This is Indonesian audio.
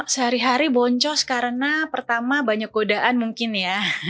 sehari hari boncos karena pertama banyak godaan mungkin ya